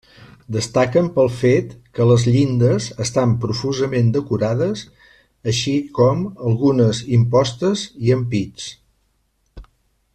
Destaquen pel fet que les llindes estan profusament decorades, així com algunes impostes i ampits.